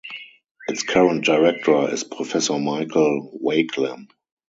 Its current director is Professor Michael Wakelam.